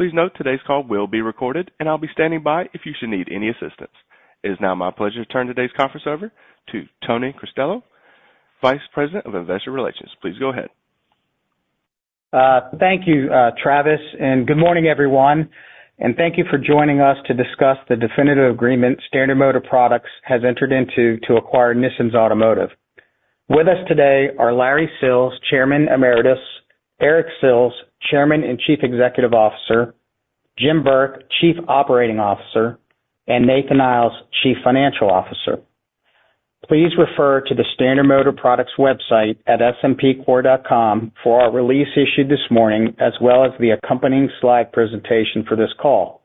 Please note today's call will be recorded, and I'll be standing by if you should need any assistance. It is now my pleasure to turn today's conference over to Tony Cristello, Vice President of Investor Relations. Please go ahead. Thank you, Travis, and good morning, everyone. Thank you for joining us to discuss the definitive agreement Standard Motor Products has entered into to acquire Nissens Automotive. With us today are Larry Sills, Chairman Emeritus, Eric Sills, Chairman and Chief Executive Officer, Jim Burke, Chief Operating Officer, and Nathan Iles, Chief Financial Officer. Please refer to the Standard Motor Products website at smpcorp.com for our release issued this morning, as well as the accompanying slide presentation for this call.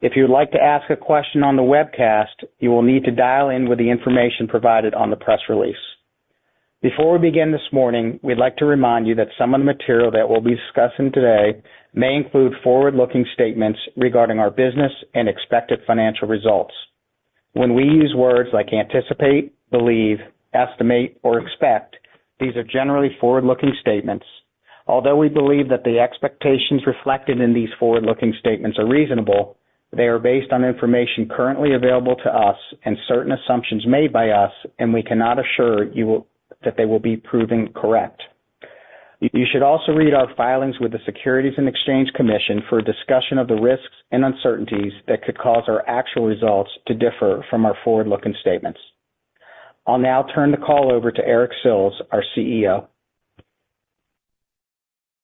If you would like to ask a question on the webcast, you will need to dial in with the information provided on the press release. Before we begin this morning, we'd like to remind you that some of the material that we'll be discussing today may include forward-looking statements regarding our business and expected financial results. When we use words like anticipate, believe, estimate, or expect, these are generally forward-looking statements. Although we believe that the expectations reflected in these forward-looking statements are reasonable, they are based on information currently available to us and certain assumptions made by us, and we cannot assure you that they will be proving correct. You should also read our filings with the Securities and Exchange Commission for a discussion of the risks and uncertainties that could cause our actual results to differ from our forward-looking statements. I'll now turn the call over to Eric Sills, our CEO.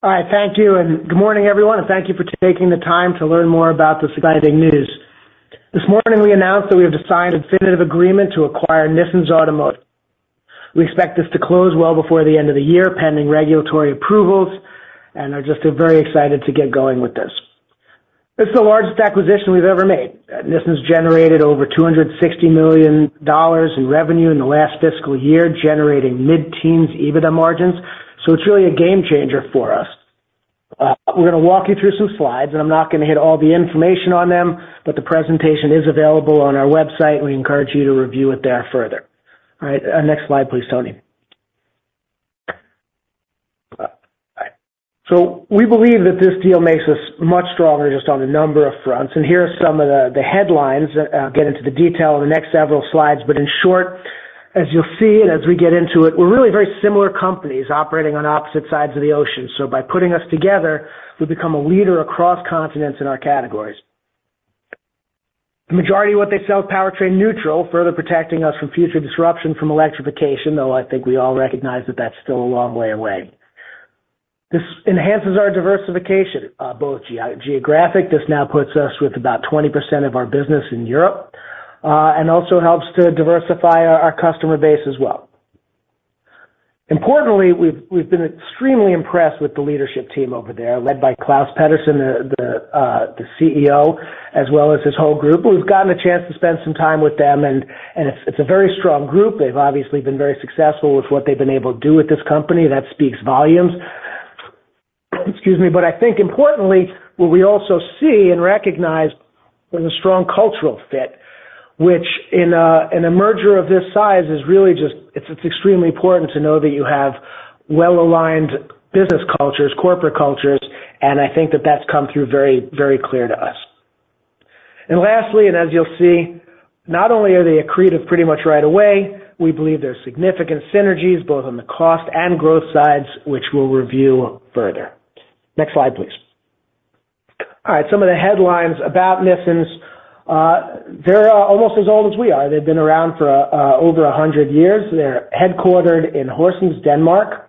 All right. Thank you. Good morning, everyone. And thank you for taking the time to learn more about this exciting news. This morning, we announced that we have signed a definitive agreement to acquire Nissens Automotive. We expect this to close well before the end of the year, pending regulatory approvals, and are just very excited to get going with this. This is the largest acquisition we've ever made. Nissens generated over $260 million in revenue in the last fiscal year, generating mid-teens EBITDA margins. It's really a game changer for us. We're going to walk you through some slides, and I'm not going to hit all the information on them, but the presentation is available on our website, and we encourage you to review it there further. All right. Next slide, please, Tony. We believe that this deal makes us much stronger just on a number of fronts. Here are some of the headlines. I'll get into the detail in the next several slides. In short, as you'll see and as we get into it, we're really very similar companies operating on opposite sides of the ocean. By putting us together, we become a leader across continents in our categories. The majority of what they sell is powertrain neutral, further protecting us from future disruption from electrification, though I think we all recognize that that's still a long way away. This enhances our diversification, both geographic. This now puts us with about 20% of our business in Europe and also helps to diversify our customer base as well. Importantly, we've been extremely impressed with the leadership team over there, led by Klavs Pedersen, the CEO, as well as his whole group. We've gotten a chance to spend some time with them, and it's a very strong group. They've obviously been very successful with what they've been able to do with this company. That speaks volumes. Excuse me. But I think, importantly, what we also see and recognize is a strong cultural fit, which in a merger of this size is really just it's extremely important to know that you have well-aligned business cultures, corporate cultures, and I think that that's come through very, very clear to us. And lastly, and as you'll see, not only are they accretive pretty much right away, we believe there are significant synergies both on the cost and growth sides, which we'll review further. Next slide, please. All right. Some of the headlines about Nissens. They're almost as old as we are. They've been around for over 100 years. They're headquartered in Horsens, Denmark.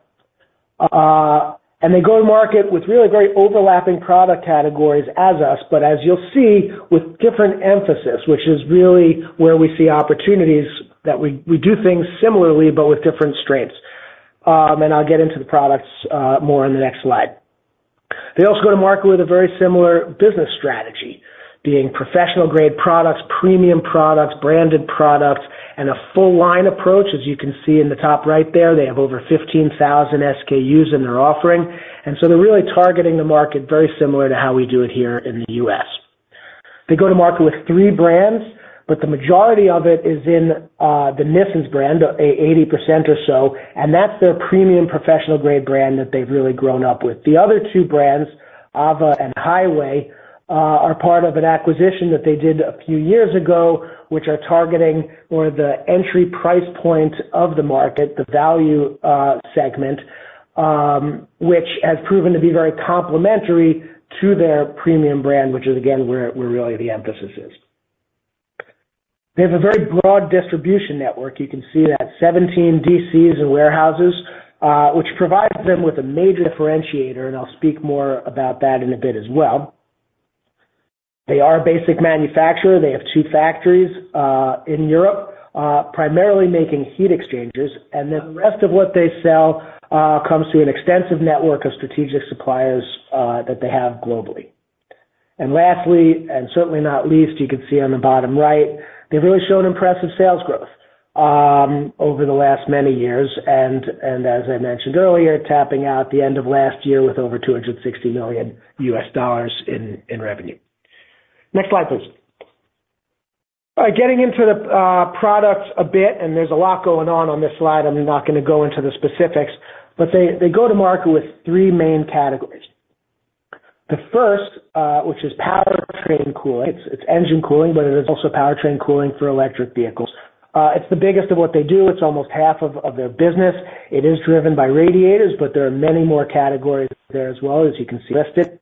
They go to market with really great overlapping product categories as us, but as you'll see, with different emphasis, which is really where we see opportunities that we do things similarly but with different strengths. I'll get into the products more on the next slide. They also go to market with a very similar business strategy, being professional-grade products, premium products, branded products, and a full-line approach, as you can see in the top right there. They have over 15,000 SKUs in their offering. So they're really targeting the market very similar to how we do it here in the U.S. They go to market with three brands, but the majority of it is in the Nissens brand, 80% or so, and that's their premium professional-grade brand that they've really grown up with. The other two brands, AVA and Highway, are part of an acquisition that they did a few years ago, which are targeting more of the entry price point of the market, the value segment, which has proven to be very complementary to their premium brand, which is, again, where really the emphasis is. They have a very broad distribution network. You can see that 17 DCs and warehouses, which provides them with a major differentiator, and I'll speak more about that in a bit as well. They are a basic manufacturer. They have two factories in Europe, primarily making heat exchangers, and then the rest of what they sell comes through an extensive network of strategic suppliers that they have globally. And lastly, and certainly not least, you can see on the bottom right, they've really shown impressive sales growth over the last many years, and as I mentioned earlier, tapping out the end of last year with over $260 million in revenue. Next slide, please. All right. Getting into the products a bit, and there's a lot going on on this slide. I'm not going to go into the specifics, but they go to market with three main categories. The first, which is powertrain cooling. It's engine cooling, but it is also powertrain cooling for electric vehicles. It's the biggest of what they do. It's almost half of their business. It is driven by radiators, but there are many more categories there as well, as you can see listed.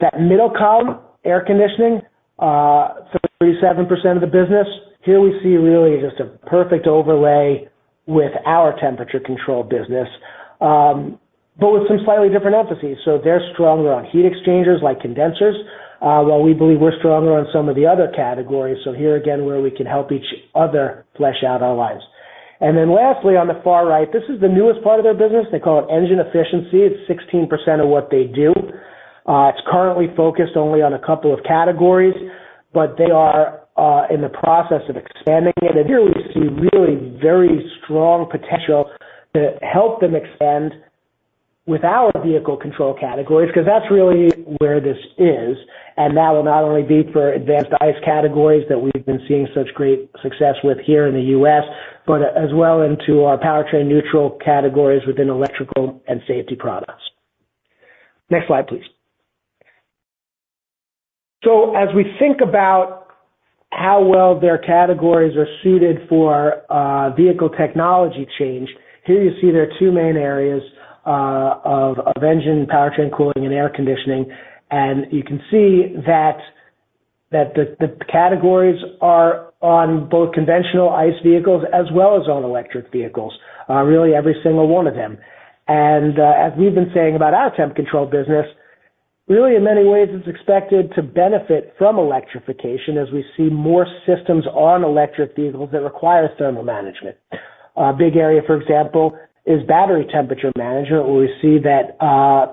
That middle column, Air Conditioning, 37% of the business. Here we see really just a perfect overlay with our Temperature Control business, but with some slightly different emphasis. So they're stronger on Heat Exchangers like Condensers, while we believe we're stronger on some of the other categories. So here, again, where we can help each other flesh out our lines. And then lastly, on the far right, this is the newest part of their business. They call it Engine Efficiency. It's 16% of what they do. It's currently focused only on a couple of categories, but they are in the process of expanding it. And here we see really very strong potential to help them expand with our Vehicle Control categories because that's really where this is. That will not only be for advanced ICE categories that we've been seeing such great success with here in the U.S., but as well into our powertrain neutral categories within electrical and safety products. Next slide, please. So as we think about how well their categories are suited for vehicle technology change, here you see there are two main areas of engine powertrain cooling and air conditioning, and you can see that the categories are on both conventional ICE vehicles as well as on electric vehicles, really every single one of them. As we've been saying about our temperature control business, really in many ways, it's expected to benefit from electrification as we see more systems on electric vehicles that require thermal management. A big area, for example, is battery temperature management, where we see that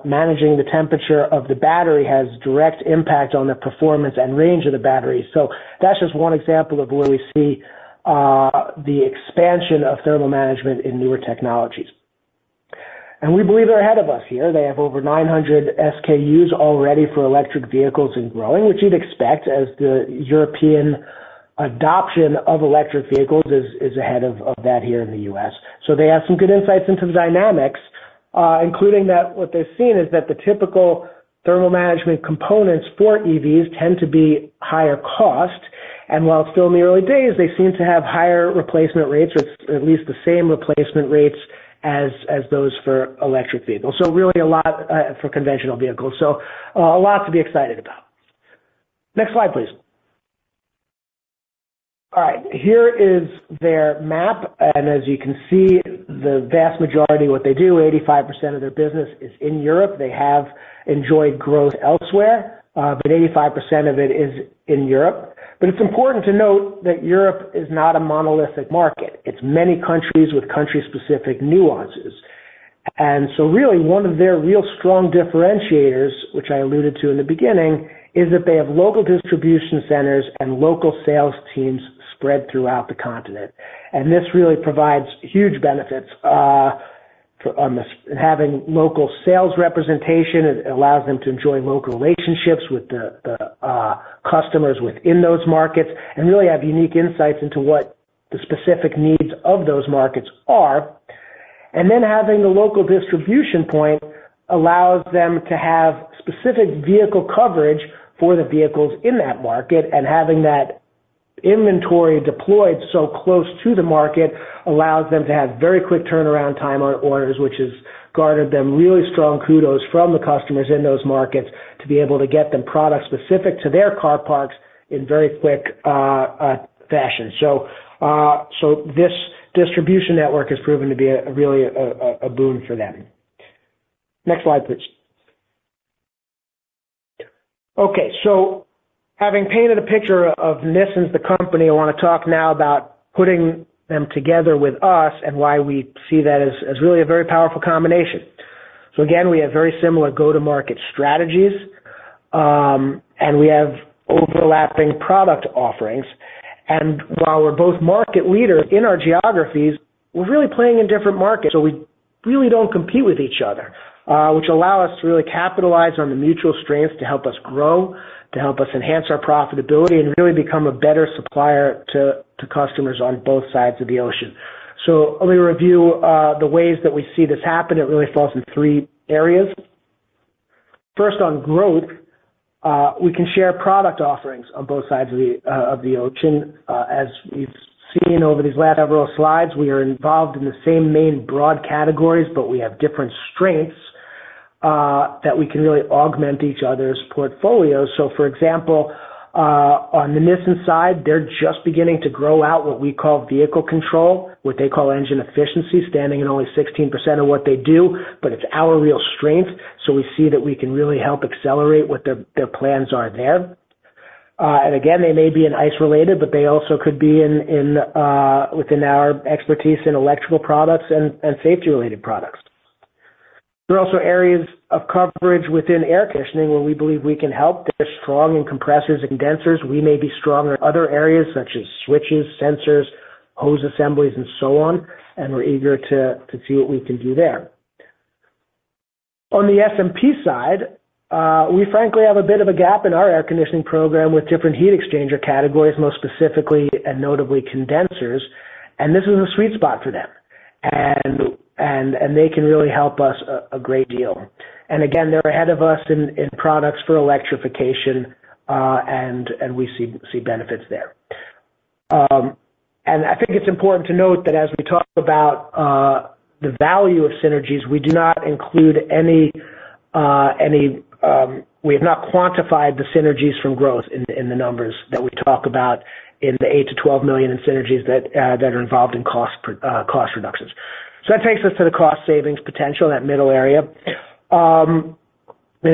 managing the temperature of the battery has direct impact on the performance and range of the battery. So that's just one example of where we see the expansion of thermal management in newer technologies. And we believe they're ahead of us here. They have over 900 SKUs already for electric vehicles and growing, which you'd expect as the European adoption of electric vehicles is ahead of that here in the U.S. So they have some good insights into the dynamics, including that what they've seen is that the typical thermal management components for EVs tend to be higher cost. And while still in the early days, they seem to have higher replacement rates, or at least the same replacement rates as those for electric vehicles. So really a lot for conventional vehicles. So a lot to be excited about. Next slide, please. All right. Here is their map. And as you can see, the vast majority of what they do, 85% of their business is in Europe. They have enjoyed growth elsewhere, but 85% of it is in Europe. But it's important to note that Europe is not a monolithic market. It's many countries with country-specific nuances. And so really one of their real strong differentiators, which I alluded to in the beginning, is that they have local distribution centers and local sales teams spread throughout the continent. And this really provides huge benefits on having local sales representation. It allows them to enjoy local relationships with the customers within those markets and really have unique insights into what the specific needs of those markets are. And then having the local distribution point allows them to have specific vehicle coverage for the vehicles in that market. And having that inventory deployed so close to the market allows them to have very quick turnaround time on orders, which has garnered them really strong kudos from the customers in those markets to be able to get them products specific to their car parcs in very quick fashion. So this distribution network has proven to be really a boon for them. Next slide, please. Okay. So having painted a picture of Nissens, the company, I want to talk now about putting them together with us and why we see that as really a very powerful combination. So again, we have very similar go-to-market strategies, and we have overlapping product offerings. And while we're both market leaders in our geographies, we're really playing in different markets. So we really don't compete with each other, which allows us to really capitalize on the mutual strengths to help us grow, to help us enhance our profitability, and really become a better supplier to customers on both sides of the ocean. Let me review the ways that we see this happen. It really falls in three areas. First, on growth, we can share product offerings on both sides of the ocean. As we've seen over these last several slides, we are involved in the same main broad categories, but we have different strengths that we can really augment each other's portfolios. For example, on the Nissens side, they're just beginning to grow out what we call Vehicle Control, what they call Engine Efficiency, standing at only 16% of what they do, but it's our real strength. So we see that we can really help accelerate what their plans are there. And again, they may be in ICE-related, but they also could be within our expertise in electrical products and safety-related products. There are also areas of coverage within air conditioning where we believe we can help. They're strong in compressors and condensers. We may be stronger in other areas such as switches, sensors, hose assemblies, and so on. And we're eager to see what we can do there. On the SMP side, we frankly have a bit of a gap in our air conditioning program with different heat exchanger categories, most specifically and notably condensers. And this is a sweet spot for them, and they can really help us a great deal. And again, they're ahead of us in products for electrification, and we see benefits there. I think it's important to note that as we talk about the value of synergies, we do not include any we have not quantified the synergies from growth in the numbers that we talk about in the $8 million-$12 million in synergies that are involved in cost reductions. So that takes us to the cost savings potential, that middle area. And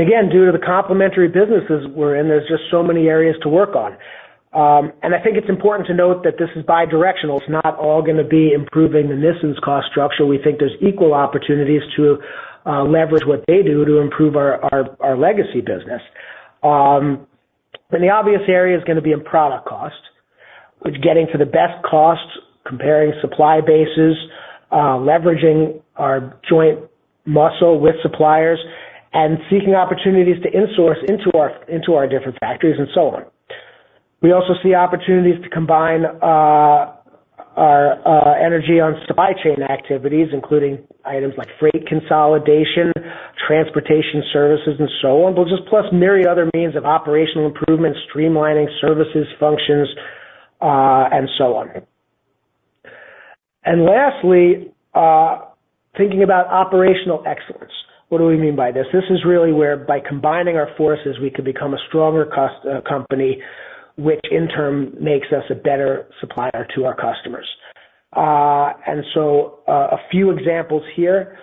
again, due to the complementary businesses we're in, there's just so many areas to work on. And I think it's important to note that this is bidirectional. It's not all going to be improving the Nissens' cost structure. We think there's equal opportunities to leverage what they do to improve our legacy business. The obvious area is going to be in product cost, which is getting to the best cost, comparing supply bases, leveraging our joint muscle with suppliers, and seeking opportunities to insource into our different factories and so on. We also see opportunities to combine our energy on supply chain activities, including items like freight consolidation, transportation services, and so on, but just plus myriad other means of operational improvement, streamlining services, functions, and so on. Lastly, thinking about operational excellence. What do we mean by this? This is really where by combining our forces, we could become a stronger company, which in turn makes us a better supplier to our customers. A few examples here.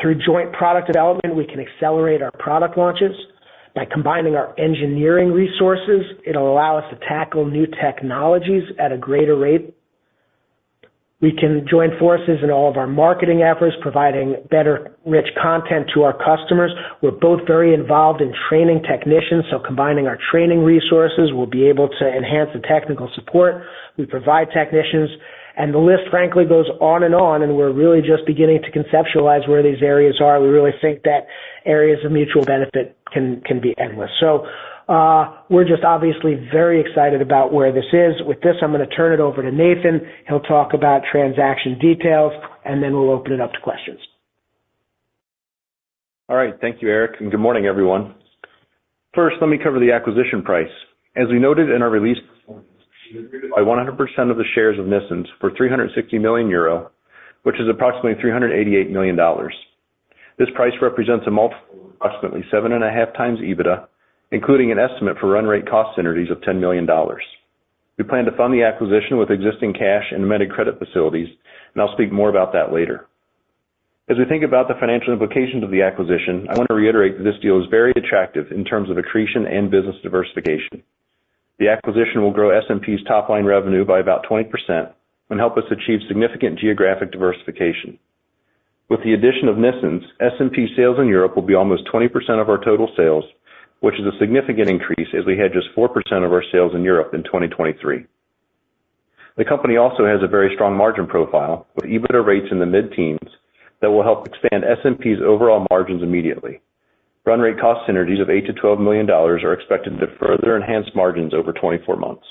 Through joint product development, we can accelerate our product launches. By combining our engineering resources, it'll allow us to tackle new technologies at a greater rate. We can join forces in all of our marketing efforts, providing better rich content to our customers. We're both very involved in training technicians, so combining our training resources, we'll be able to enhance the technical support we provide technicians. And the list, frankly, goes on and on, and we're really just beginning to conceptualize where these areas are. We really think that areas of mutual benefit can be endless. So we're just obviously very excited about where this is. With this, I'm going to turn it over to Nathan. He'll talk about transaction details, and then we'll open it up to questions. All right. Thank you, Eric. Good morning, everyone. First, let me cover the acquisition price. As we noted in our release, we agreed to buy 100% of the shares of Nissens for 360 million euro, which is approximately $388 million. This price represents a multiple of approximately 7.5x EBITDA, including an estimate for run rate cost synergies of $10 million. We plan to fund the acquisition with existing cash and amended credit facilities, and I'll speak more about that later. As we think about the financial implications of the acquisition, I want to reiterate that this deal is very attractive in terms of accretion and business diversification. The acquisition will grow SMP's top-line revenue by about 20% and help us achieve significant geographic diversification. With the addition of Nissens, SMP sales in Europe will be almost 20% of our total sales, which is a significant increase as we had just 4% of our sales in Europe in 2023. The company also has a very strong margin profile with EBITDA rates in the mid-teens that will help expand SMP's overall margins immediately. Run rate cost synergies of $8 million-$12 million are expected to further enhance margins over 24 months.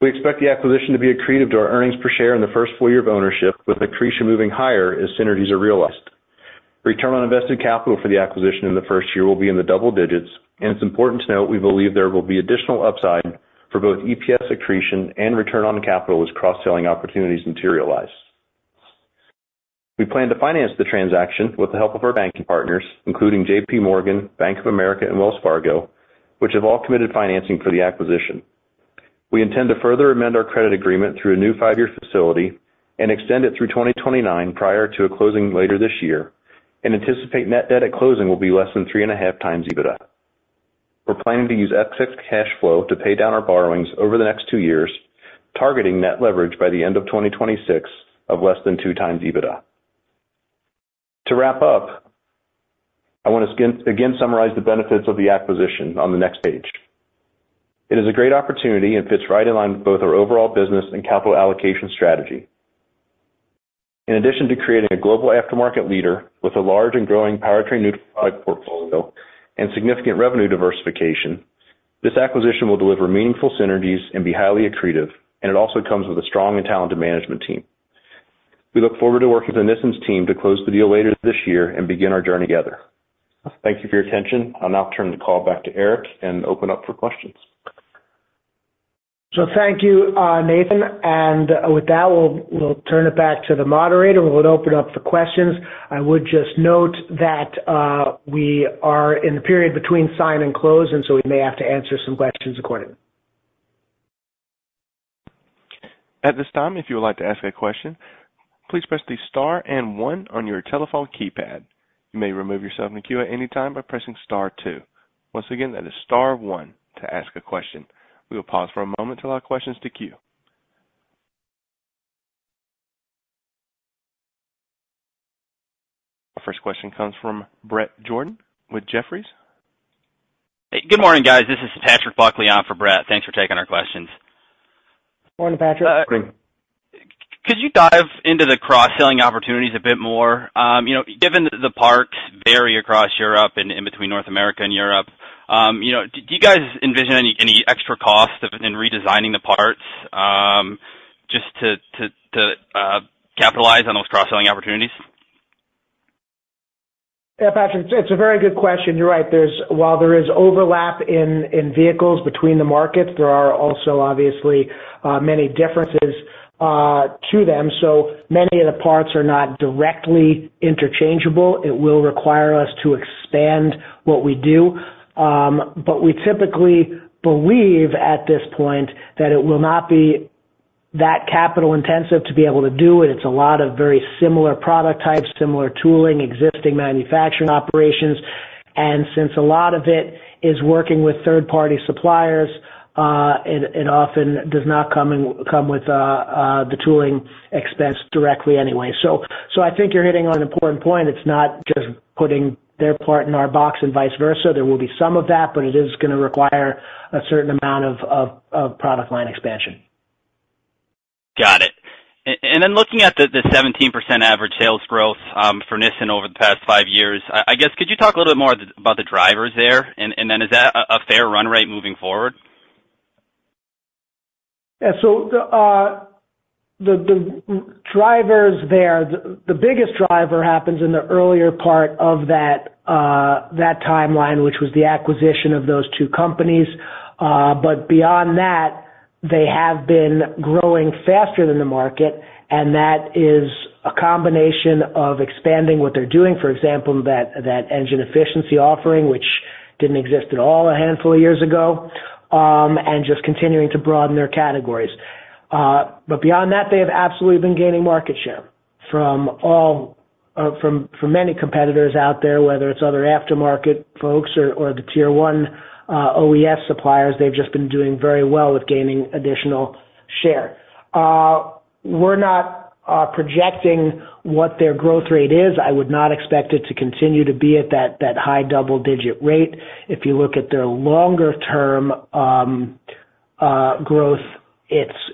We expect the acquisition to be accretive to our earnings per share in the first full year of ownership, with accretion moving higher as synergies are realized. Return on invested capital for the acquisition in the first year will be in the double digits, and it's important to note we believe there will be additional upside for both EPS accretion and return on capital as cross-selling opportunities materialize. We plan to finance the transaction with the help of our banking partners, including J.P. Morgan, Bank of America, and Wells Fargo, which have all committed financing for the acquisition. We intend to further amend our credit agreement through a new 5-year facility and extend it through 2029 prior to a closing later this year, and anticipate net debt at closing will be less than 3.5x EBITDA. We're planning to use excess cash flow to pay down our borrowings over the next 2 years, targeting net leverage by the end of 2026 of less than 2x EBITDA. To wrap up, I want to again summarize the benefits of the acquisition on the next page. It is a great opportunity and fits right in line with both our overall business and capital allocation strategy. In addition to creating a global aftermarket leader with a large and growing powertrain neutral product portfolio and significant revenue diversification, this acquisition will deliver meaningful synergies and be highly accretive, and it also comes with a strong and talented management team. We look forward to working with the Nissens team to close the deal later this year and begin our journey together. Thank you for your attention. I'll now turn the call back to Eric and open up for questions. Thank you, Nathan. With that, we'll turn it back to the moderator. We'll open up for questions. I would just note that we are in the period between sign and close, and so we may have to answer some questions accordingly. At this time, if you would like to ask a question, please press the star and one on your telephone keypad. You may remove yourself from the queue at any time by pressing star two. Once again, that is star one to ask a question. We will pause for a moment to allow questions to queue. Our first question comes from Brett Jordan with Jefferies. Hey, good morning, guys. This is Patrick Buckley on for Brett. Thanks for taking our questions. Morning, Patrick. Good morning. Could you dive into the cross-selling opportunities a bit more? Given that the parts vary across Europe and in between North America and Europe, do you guys envision any extra cost in redesigning the parts just to capitalize on those cross-selling opportunities? Yeah, Patrick, it's a very good question. You're right. While there is overlap in vehicles between the markets, there are also obviously many differences to them. So many of the parts are not directly interchangeable. It will require us to expand what we do. But we typically believe at this point that it will not be that capital-intensive to be able to do it. It's a lot of very similar product types, similar tooling, existing manufacturing operations. And since a lot of it is working with third-party suppliers, it often does not come with the tooling expense directly anyway. So I think you're hitting on an important point. It's not just putting their part in our box and vice versa. There will be some of that, but it is going to require a certain amount of product line expansion. Got it. And then looking at the 17% average sales growth for Nissens over the past five years, I guess, could you talk a little bit more about the drivers there? And then is that a fair run rate moving forward? Yeah. So the drivers there, the biggest driver happens in the earlier part of that timeline, which was the acquisition of those two companies. But beyond that, they have been growing faster than the market, and that is a combination of expanding what they're doing, for example, that Engine Efficiency offering, which didn't exist at all a handful of years ago, and just continuing to broaden their categories. But beyond that, they have absolutely been gaining market share from many competitors out there, whether it's other aftermarket folks or the tier one OES suppliers. They've just been doing very well with gaining additional share. We're not projecting what their growth rate is. I would not expect it to continue to be at that high double-digit rate. If you look at their longer-term growth,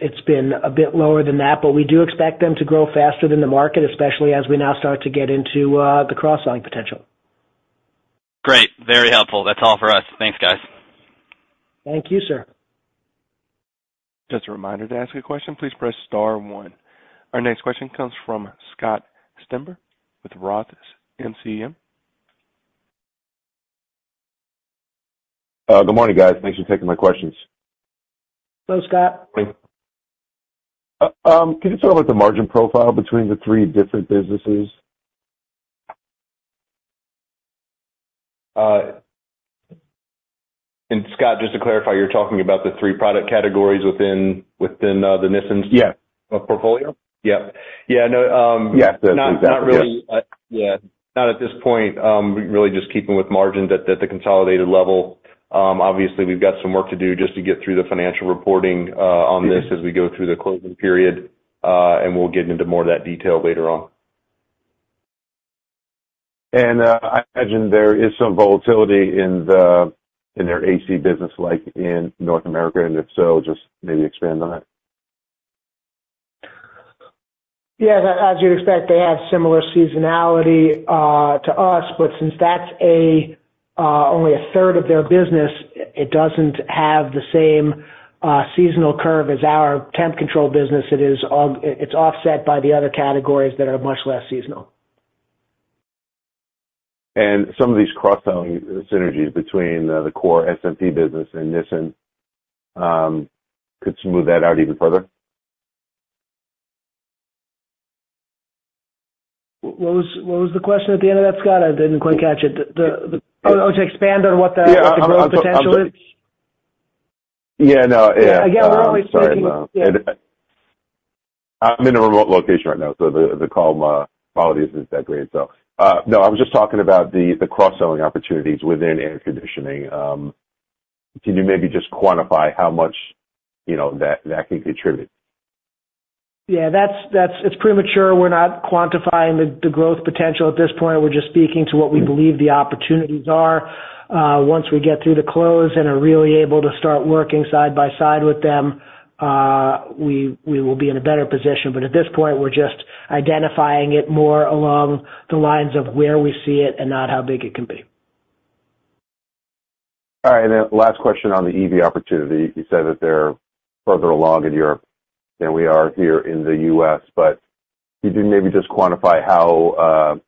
it's been a bit lower than that, but we do expect them to grow faster than the market, especially as we now start to get into the cross-selling potential. Great. Very helpful. That's all for us. Thanks, guys. Thank you, sir. Just a reminder to ask a question. Please press star one. Our next question comes from Scott Stember with Roth MKM. Good morning, guys. Thanks for taking my questions. Hello, Scott. Morning. Can you talk about the margin profile between the three different businesses? Scott, just to clarify, you're talking about the three product categories within the Nissens portfolio? Yeah. Yeah. No. Not really. Yeah. Not at this point. Really just keeping with margin at the consolidated level. Obviously, we've got some work to do just to get through the financial reporting on this as we go through the closing period, and we'll get into more of that detail later on. I imagine there is some volatility in their AC business in North America, and if so, just maybe expand on that. Yeah. As you'd expect, they have similar seasonality to us, but since that's only a third of their business, it doesn't have the same seasonal curve as our temp control business. It's offset by the other categories that are much less seasonal. Some of these cross-selling synergies between the core SMP business and Nissens could smooth that out even further. What was the question at the end of that, Scott? I didn't quite catch it. Oh, to expand on what the growth potential is? Yeah. No. Yeah. Again, we're only speaking. I'm in a remote location right now, so the call quality isn't that great. So no, I was just talking about the cross-selling opportunities within air conditioning. Can you maybe just quantify how much that can contribute? Yeah. It's premature. We're not quantifying the growth potential at this point. We're just speaking to what we believe the opportunities are. Once we get through the close and are really able to start working side by side with them, we will be in a better position. But at this point, we're just identifying it more along the lines of where we see it and not how big it can be. All right. And then last question on the EV opportunity. You said that they're further along in Europe than we are here in the U.S., but could you maybe just quantify how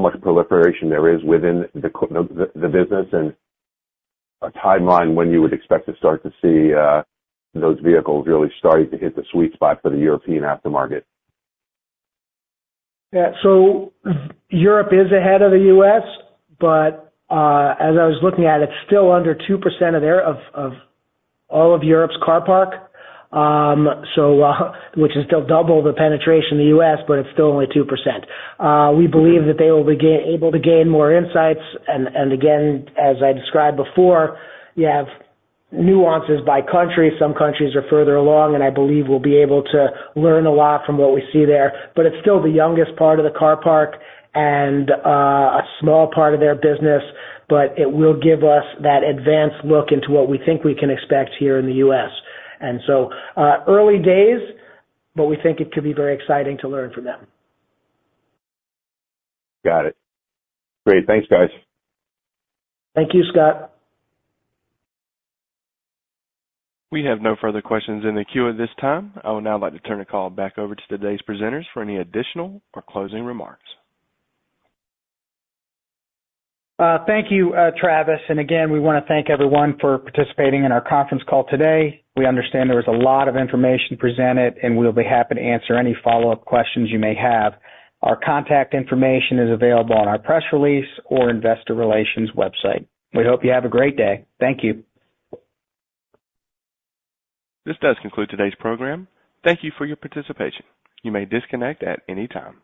much proliferation there is within the business and a timeline when you would expect to start to see those vehicles really starting to hit the sweet spot for the European aftermarket? Yeah. So Europe is ahead of the U.S., but as I was looking at it, it's still under 2% of all of Europe's car parc, which is still double the penetration in the U.S., but it's still only 2%. We believe that they will be able to gain more insights. And again, as I described before, you have nuances by country. Some countries are further along, and I believe we'll be able to learn a lot from what we see there. But it's still the youngest part of the car park and a small part of their business, but it will give us that advanced look into what we think we can expect here in the U.S. And so early days, but we think it could be very exciting to learn from them. Got it. Great. Thanks, guys. Thank you, Scott. We have no further questions in the queue at this time. I would now like to turn the call back over to today's presenters for any additional or closing remarks. Thank you, Travis. And again, we want to thank everyone for participating in our conference call today. We understand there was a lot of information presented, and we'll be happy to answer any follow-up questions you may have. Our contact information is available on our press release or investor relations website. We hope you have a great day. Thank you. This does conclude today's program. Thank you for your participation. You may disconnect at any time.